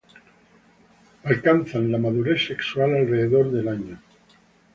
Alcanzan la madurez sexual alrededor del año.